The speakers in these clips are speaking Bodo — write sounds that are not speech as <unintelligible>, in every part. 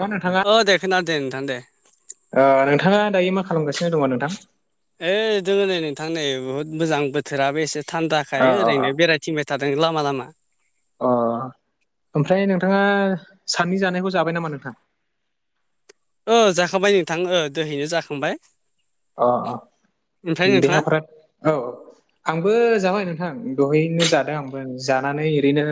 दा नोंथाङा अ दे खोनादो दे नोंथां दे ओ नोंथाङा दायो मा खालामगासिनो दङ नोंथां ओइ दोङो नै नोंथां नै बहुद मोजां बोथोराबो एसे थान्दाखाय अ अ अ ओरैनो बेराय थिंबाय थादों लामा लामा अ ओमफ्राय नोंथाङा साननि जानायखौ जाबाय नामा नोंथां ओ जाखांबाय नोंथां ओ दोहैनो जाखांबाय अ अ ओमफ्राय नोंथाङा देहाफोरा औ औ आंबो जाबाय नोंथां दहायनो जादों आंबो जानानै ओरैनो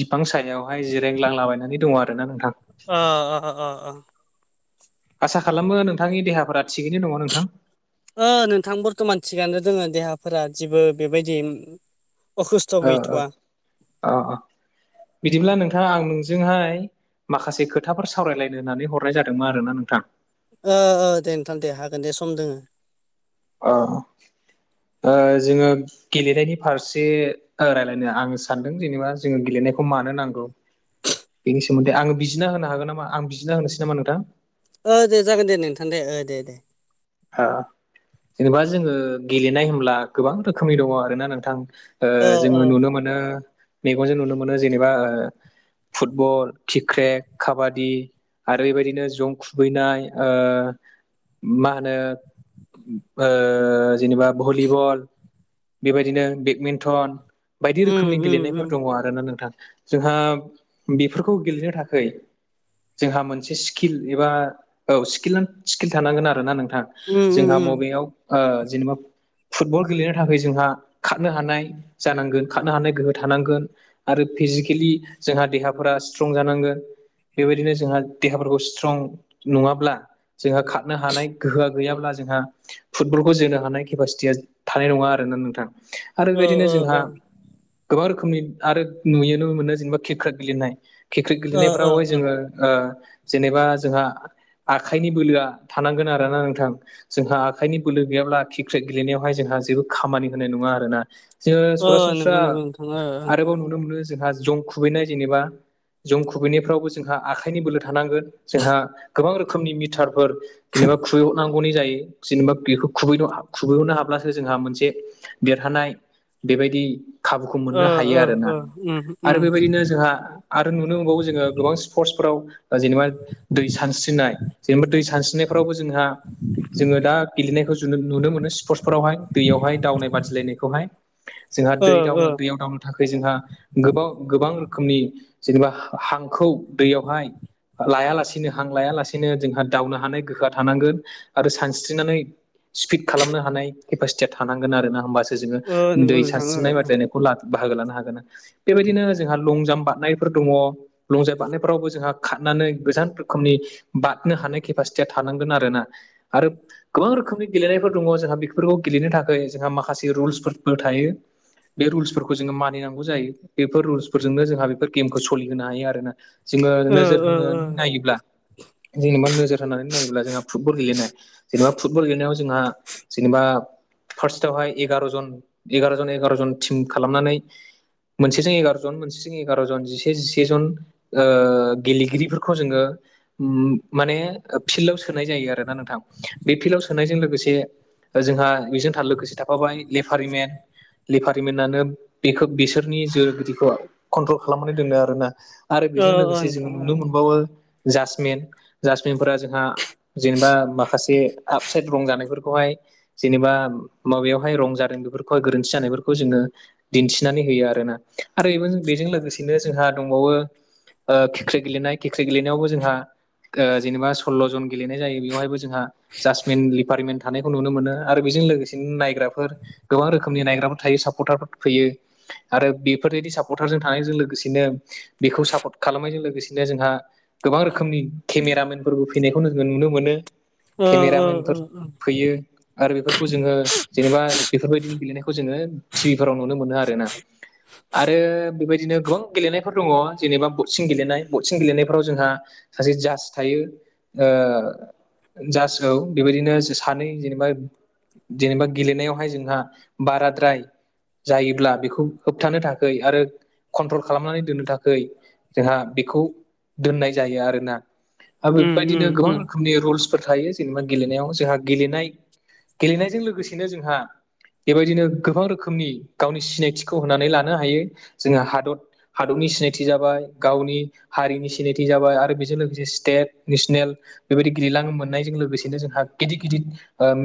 बिफां सायावहाय जिरायलांला बायनानै दङ आरोना नोंथां अ अ अ अ आसा खालामो नोंथांनि देहाफोरा थिगैनो दङ नोंथां ओ नोंथां बरथमान थिगानो दोङो देहाफोरा जेबो बेबायदि अखुस्थ' ओ ओ गैथ'वा अ अ बिदिब्ला नोंथां आं नोंजोंहाय माखासे खोथाफोर सावरायलायनो होननानै हरनाय जादोंमोन आरोना नोंथां ओ ओ दे नोंथां दे हागोन दे सम दोङो अ ओ जोङो गेलेनायनि फारसे ओ रायलायनो आं सानदों जेनेबा जोङो गेलेनायखौ मानो नांगौ। बेनि सोमोन्दै आं बिजिना होनो हागोन नामा आं बिजिना होनोसै नामा नोंथां? ओ दे जागोन दे नोंथां ओ दे-दे-दे। ओ जेनेबा जोङो गेलेनाय होनब्ला गोबां रोखोमनि दङ आरोना नोंथां। ओ जोङो नुनो मोनो मेगनजों नुनो मोनो जेनेबा ओ फुटबल क्रिक्रेट काबादि आरो बेबायदिनो जं खुबैनाय ओ मा ओ जेनेबा भलिबल बेबायदिनो बेटमिन्टन बायदि उम रोखोमनि उम उम गेलेनायफोर दङ आरो। जानोना नोंथां जोंहा बेफोरखौ गेलेनो थाखै जोंहा मोनसे स्किल एबा औ स्किल स्किल थानांगोन आरोना नोंथां। उम उम जोंहा उम मबेयाव ओ जेनेबा फुटबल गेलेनो थाखाय जोंहा खारनो हानाय जानांगोन खारनो हानाय गोहो थानांगोन। आरो फिजिकेलि जोंहा देहाफोरा स्ट्रं जानांगोन। बेबायदिनो जोंहा देहाफोरखौ स्ट्रं नङाब्ला जोंहा खारनो हानाय गोहोया गैयाब्ला जोंहा फुटबलखौ जोनो हानाय केपासिटिया थानाय नङा आरोना नोंथां। आरो ओ बेबायदिनो ओ जोंहा ओ गोबां रोखोमनि आरो नुयो नुनो मोनो जेनेबा क्रिकेट गेलेनाय क्रिकेट ओ ओ गेलेनायफ्राव ओ जोङो जेनेबा जोंहा आखाइनि बोलोआ थानांगोन आरोना नोंथां। जोंहा आखाइनि बोलो गैयाब्ला क्रिकेट गेलेनायावहाय जोंहा जेबो खामानि होनाय नङा आरोना। जोङो ओ नंगौ सरासनस्रा नंगौ नोंथां ओ ओ आरोबाव नुनो मोनो जोंहा जं खुबैनाय जेनेबा जौ खुबैनायफ्रावबो जोंहा आखाइनि बोलो थानांगोन जोंहा गोबां रोखोमनि मिटारफोर जेनेबा खुबै नांगौनि जायो जेनेबा बेखौ खुबै खुबैहोनो हाब्लासो जोंहा मोनसे देरहानाय बेबायदि खाबुखौ ओ मोननो हायो ओ आरोना। ओ उम उम आरो बेबायदिनो जोंहा आरो नुनो मोनबावो जोङो गोबां स्पर्टसफोराव जेनेबा दै सानस्रिनाय जेनेबा दै सानस्रिनाय फोरावबो जोंहा जोङो दा गेलेनायखौ जु नुनो मोनो स्पर्टसफोरावहाय दैयावहाय दावनाय बादिलायनायखौहाय जोंहा ओ दै ओ दावनो दैयाव दावनो थाखाय जोंहा गोबाव गोबां रोखोमनि जेनेबा हांखौ दैयावहाय लाया लासेनो हां लायालासेनो जोंहा दावनो हानाय गोहोआ थानांगोन आरो सानस्रिनानै सिफिड खालामनो हानाय केपासिटिया थानांगोन आरो ना होमबासो जोङो ओ नंगौ दै नोंथां ओ सानस्रिनाय बादायनाय बाहागो लानो हागोन बेबायदिनो जोंहा लं जाम्प बारनायफोर दङ। लंजाम बारनायफोरावबो जोंहा खारनानै गोजान रोखोमनि बारनो हानाय केपासिटि थिया थानांगोन आरो ना आरो गोबां रोखोमनि गेलेनायफोर दङ जोंहा बेफोरखौ गेलेनो थाखाय जोंहा माखासे रुल्सफोरबो थायो। बे रुल्सफोरखौ जोङो मानिनांगौ जायो बेफोर रुल्सफोरजोंनो जोंहा बेफोर गेमखौ सोलिहोनो हायो आरोना। जोङो ओ नोजोर ओ ओ होनानै नायोब्ला जोङो मा नोजोर जानानै नायोब्ला जोंहा फुटबल गेलेनाय जेनेबा फुटबल गेलेनायाव जोंहा जेनेबा फार्स्टआवहाय एगार' जन एगार'जन एगार' जन टिम खालामनानै मोनसेजों एगार'जन मोनसेजों एगार'जन जिसे जिसेजन ओ गेलेगिरिफोरखौ जोङो माने फिल्डआव सोनाय जायो आरो ना नोंथां। बे फिल्डाव सोनायजों लोगोसे जोंहा बेजों थार लोगोसे थाफाबाय लेफारिमेन लिपार्मेन्टनो बेखौ बिसोरनि जो बिदिखौ कन्ट्रल खालामनानै दोनदों आरोना। आरो ओ बेजों ओ लोगोसे जों नोंथां नुनो मोनबावो जासमिन फोर जोंहा जेनेबा माखासे आपसाइद रंजानायफोरखौहाय जेनेबा माबायावहाय रं जादों बेफोरखौहाय गोरोन्थि जानायफोरखौ जोङो दिन्थिनानै होयो आरोना। आरो बेजों लोगोसेनो जोंहा दंबावो ओ क्रिकेट गेलेनाय क्रिकेट गेलेनायावबो जोंहा जेनेबा सल्ल' जन गेलेनाय जायो बेवहायबो जोंहा जास्मिन रिपारिमेन थानायखौ नुनो मोनो आरो बेजों लोगोसेनो नायग्राफोर गोबां रोखोमनि नायग्राफोर थायो सापर्टारफोर फैयो आरो बेफोरबायदि सापर्टारजों थानायजों लोगोसेनो बेखौ सापर्ट खालामनायजों लोगोसेनो जोंहा गोबां रोखोमनि केमेरामेनफोरबो फैनायखौ जोङो नुनो मोनो ओ ओ ओ केमेरामेनफोर ओ फैयो आरो बेफोरखौ जोङो जेनेबा बेफोरबायदिनो गेलेनायखौ जोङो टिभि फोराव नुनो मोनो आरोना आरो बेबायदिनो गोबां गेलेनायफोर दङ जेनेबा बकसिं गेलेनाय बकसिं गेलेनायफोराव जोंहा सासे जास थायो जासाव बेबायदिनो सानै जेनेबा जेनेबा गेलेनायावहाय जोंहा बाराद्राय जायोब्ला बेखौ होबथानो थाखाय आरो कन्ट्रल खालामनानै दोननो थाखाय जोंहा बेखौ दोननाय जायो आरोना आरो उम उम बेफोरबायदिनो उम गोबां रोखोमनि रुल्सफोर थायो जेनेबा गेलेनायाव जोंहा गेलेनाय गेलेनायजों लोगोसेनो जोंहा बेबायदिनो गोबां रोखोमनि गावनि सिनायथिखौ होनानै लानो हायो जोङो हादर हादरनि सिनायथि जाबाय गावनि हारिनि सिनायथि जाबाय आरो बेजों लोगोसे स्टेट नेसनेल बेबायदि गिलां मोननायजों लोगोसेनो जोंहा गिदिर गिदिर ओम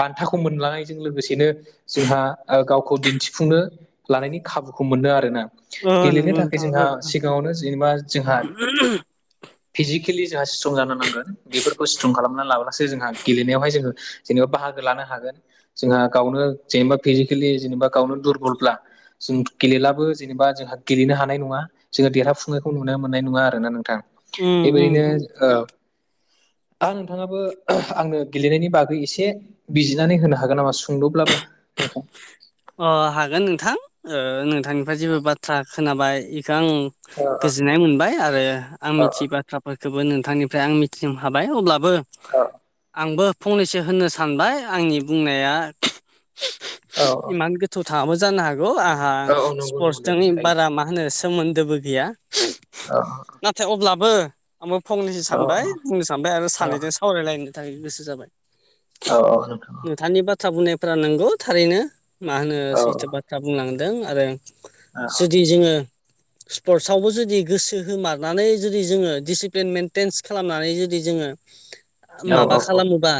बान्थाखौ मोनलांनायजों लोगोसेनो जोंहा ओ गावखौ दिन्थिफुंनो लानायनि खाबुखौ मोनो आरो ना ओ गेलेनो नंगौ थाखाय नोंथां जोंहा ओ सिगाङावनो जेनेबा जोंहा फिजिक केलि जोंहा स्ट्रं जानो नांगोन बेफोरखौ स्ट्रं खालामनानै लाब्लासो जोंहा गेलेनायावहाय जोङो जेनेबा बाहागो लानो हागोन जोंहा गावनो जेनेबा फिजिकेलि जेनेबा गावनो दुरबलब्ला जों गेलेलाबो जेनेबा जोंहा गेलेनो हानाय नङा जोङो देरहाफुंनायखौ नुनो मोननाय नङा आरोना नोंथां उम उम बेबायदिनो उम आं नोंथाङाबो आंनो गेलेनायनि बागै एसे बिजिनानै होनो हागोन नामा सुंद'ब्लाबो नोंथां अ हागोन नोंथां नोंथांनिफ्राय जेबो बाथ्रा खोनाबाय बेखौ आं औ औ गोजोननाय मोनबाय आरो आं औ मिथियि बाथ्राफोरखौबो नोंथांनिफ्राय आं मि <unintelligible> हाबाय अब्लाबो आंबो फंनैसो होननो सानबाय आंनि बुंनाया औ इमान गो थ' थाङाबो जानो हागौ आंहा औ औ नंगौ नंगौ दे स्पर्टसजों जायो दे बारा मा मा होनो सोमोन्दोबो गैया अ नाथाय अब्लाबो आंबो फंनैसो औ सानबाय बुंनो सानबाय आरो औ सानैजों सान आवरायलायनो थाखाय गोसो जाबाय औ औ न दानि बाथ्रा बुंनायफोरा नंगौ थारैनो मा होनो औ सैथो बाथ्रा बुंलांदों आरो औ जुदि जोङो स्पर्टसआवबो जुदि गोसो होमारनानै जुदि जोङो डिसिप्लिन मेेनटेन्स खालामनानै जुदि जोङो औ माबा खालामोबा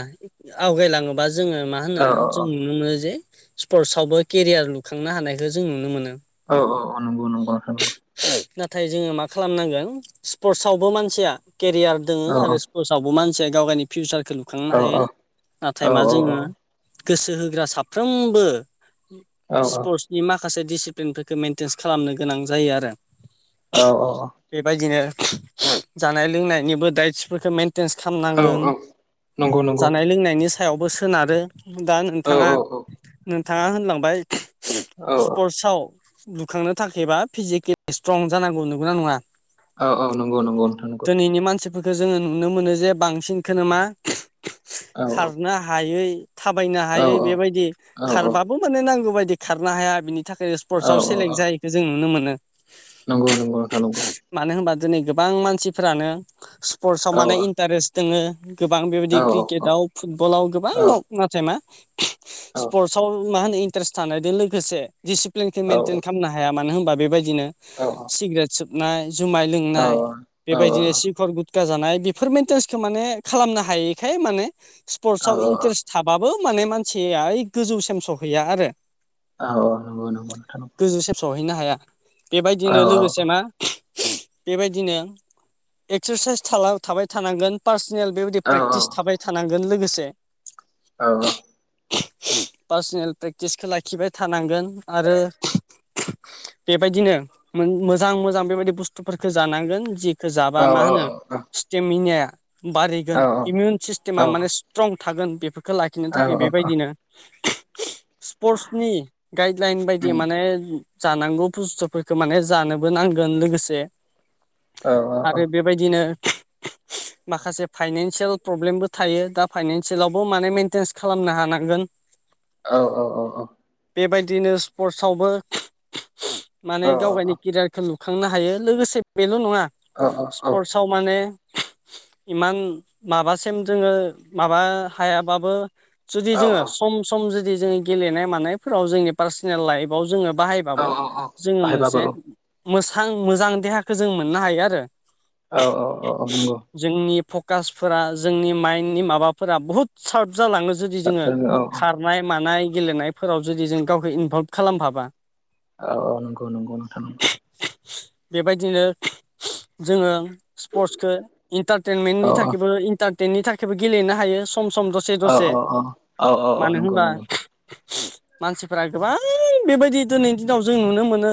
आवगायलाङोबा जोङो मा होनो औ जों नुनो मोनो जे स्पर्टस आवबो केरियार लुखांनो हानायखौ जों नुनो मोनो औ औ नंगौ नंगौ नंगौ नाथाय जोङो मा खालामनांगोन स्पर्टसआवबो मानसिया केरियार दोङो औ आरो पसावबो मानसिया गाव गावनि फिउसारखौ लुखांनो औ हायो औ नाथाय मा जोङो गोसो होग्रा साफ्रोमबो औ स्पर्टस बे माखासे दिडिसिप्लिनफोरखौ मेइेनटेेनस खालामनो गोनां जायो आरो औ औ औ बेबायदिनो जानाय लोंनायनिबो दाइटसफोरखौ मेन एटेन्स औ खालामनांगोन औ नंगौ नंगौ जानाय लोंनायनि सायावबो सोनारो दा औ नोंथाङा औ नोंथाङा होनलांबाय औ स्पर्टसआव लुखांनो थाखायबा फिजिकेलि स्ट्रं जानांगौ नंगौना नङा औ औ नगौ नंगौ नोंथां नंगौ मानसि फोरखो जोङो नुनो मोनो जे बांसिनखोनो मा औ खारनो हायै थाबायनो औ हायै बेबायदि औ खारबाबो माने नांगौ बायदि खारनो हाया बिनि थाखाय औ स्पर्टसआव औ सेलेक्ट जायैखो जों नुनो मोनो नंगौ नंगौ नोंथां नंगौ मानो होनबा दिनै गोबां मानसिफ्रानो औ नंगौ नोंथां नंगौ औ स्पर्टसआव माने इन्टारेस्ट दोङो गोबां औ बेबायदि क्रिकेटआव फुटबलाव गोबां औ दं नाथाय मा औ स्पर्टसआव मा होनो इन्टारेस्ट थानायजों लोगोसे दिडिसिप्लिनखौ मेनइटेन खालामनो हायो हाया मानो होनबा बेबायदिनो अऔ औ सिगारेट सोबनाय जुमाय लोंनाय बेबायदिनो सिखर गुद खा जानाय बेफोर मेन्टेेन्सखौ माने खालामनो हायैखाय माने औ स्पर्टसआव इन्टारेस्ट थाबाबो माने मानसिया ओइ गोजौ सेमस'हैया आरो औ नंगौ नंगौ नोंथां गोजौसिम सहैनो हाया बेबायदिनो लोगोसे मा बेबायदिनो एक्सारसाइस थाला थाबाय थानांगोन पार्सनेल बेबायदि प्रेक्टिस थाबाय थानांगोन लोगोसे औ-औ पार्सनेल प्रेक्टिसखौ लाखिबाय थानांगोन आरो बेबायदिनो मोजां मोजां बेबायदि बुस्थुफोरखौ जानांगोन जि जाबा मा होनो स्टेमिनाया बारायगोन इमिउन सिस्टेमा माने स्ट्रं थागोन बेफोरखो लाखिनो थाखाय औ औ बेबायदिनो स्पर्टसनि गाइडलाइन बायदि औ माने जानांगौ बुस्थुफोरखौ माने जानोबो नांगोन लोगोसे औ औ आरो बे बेबायदिनो माखासे फाइनेन्सियेल प्रब्लेमबो थायो दा फाइनेन्सियेल आवबो माने मेन्टेन्स खालामनो हानांगोन औ-औ-औ-औ बेबायदिनो स्पर्टसआवबो औ माने गावगायनि केरियारखौ लु खांनो हायो लोगोसे बेल' नङा औ स्पर्टसआव माने इमान माबासिम जोङो माबा हायाबाबो जुदि औ जोङो सम सम जुदि जोङो गेलेनाय मानायफोराव जोंनि पार्सनेल लाइफआव जोङो बाहाय बाबो औ जोङो बाहायबाबो मोनसे औ मोसां मोजां देहाखौ जों मोननो हायो आरो औ-औ-औ-औ नंगौ जोंनि फकासफोरा जोंनि माइनदनि माबाफोरा बुहुत सार्प जालाङो जुदि जोङो साबजानो औ औ खारनाय मानाय गेलेनायफोराव जुदि जों गावखौ इनभल्भ खालामफाबा औ-औ नंगौ नंगौ नोंथां बेबायदिनो जोङो स्पर्टसखौ औ इन्टारटेनमेन्टनि थाखायबो इन्टारटेननि थाखायबो गेलेनो हायो सम सम दसे दसे औ-औ-औ-औ-औ-औ मानो नंगौ होनबा नंगौ मानसिफोरा गोबां बेबायदि दिनैनि दिनाव जों नुनो मोनो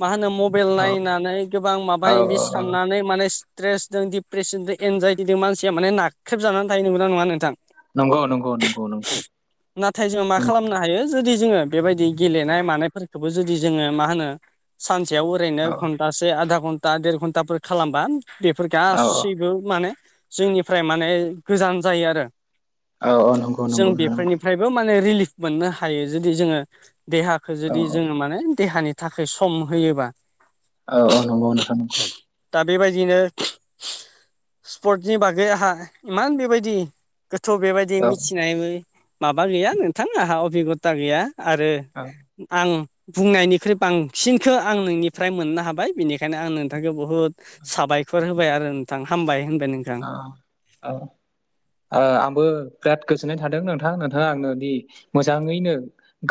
मा होनो मब बेल औ नायनानै गोबां माबा औ माबि औ साननानै माने स्ट्रेसजों दिप्रेसनजों एनजायटिदो मानसिया माने नाख्रेबजानानै थायो नंगोना नङा नोंथां नंगौ नंगौ नंगौ नंगौ नोंथां नाथाय जोङो मा नंगौ खालामनो हायो जुदि जोङो बेबायदि गेलेनाय मानायफोरखौबो जुदि जोङो मा होनो सानसेयाव ओ ओरैनो औ घन्टासे आधा घन्टा देर घन्टाफोर खालामबा बेफोर औ गासैबो माने जोंनिफ्राय माने गोजान जायो आरो औ औ नंगौ जों नंगौ नोंथां नंगौ बेफोरनिफ्रायबो माने रिलिफ मोननो हायो जुदि जोङो देहा खो औ जुदि जोङो माने देहानि थाखाय सम होयोबा औ औ नंगौ नोंथां नंगौ दा बेबायदिनो स्पर्टसनि बागै आंहा इमान बेबायदि थ' बेबायदि औ मिथिनाय माबा गैया नोंथां आंहा अभिगथा गैया आरो आं बुंनायनिख्रुइ बांसिनखो आं नोंनिफ्राय मोननो हाबाय बेनिखायनो आं नोंथांखो बुहुद साबायखर होबाय आरो नोंथां हामबाय होनबाय नोंथां। औ औ ओ आंबो बिराद गोजोननाय थादों नोंथां नोंथाङा आंनो दि मोजाङैनो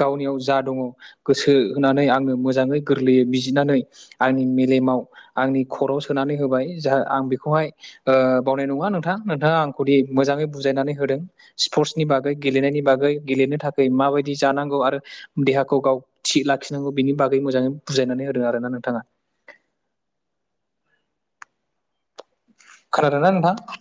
गावनियाव जा दङ गोसो होनानै आंनो मोजाङै गोरलैयै बिजिरनानै आंनि मेलेमाव आंनि खर'वाव सोनानै होबाय जा‌ आं बेखौहाय ओ बावनाय नङा नोंथां नोंथाङा आंखौदि मोजाङै बुजायनानै होदों स्पर्टसनि बागै गेलेनायनि बागै गेलेनो थाखाय माबायदि जानांगौ आरो देहाखौ गाव थिग लाखिनांगौ बिनि बागै मोजाङै बुजायनानै होदों आरोना नोंथाङा। खोनादोना नोंथां?